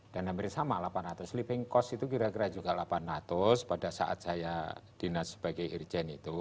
dan hampir sama delapan ratus living cost itu kira kira juga delapan ratus pada saat saya dinas sebagai urgent itu